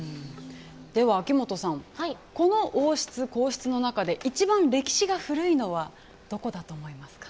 では、秋元さんこの王室、皇室の中で一番歴史が古いのはどこだと思いますか？